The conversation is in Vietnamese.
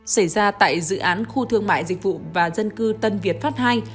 xảy ra tại dự án khu thương mại dịch vụ và dân cư tân việt pháp ii